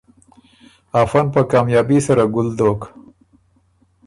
افه ن په کامیابي سره ګُل دوک